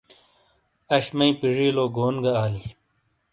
آش مئی پیجیلو گون گہ آلی۔